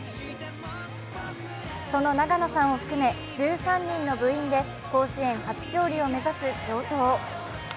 その永野さんを含め１３人の部員で甲子園初勝利を目指す城東。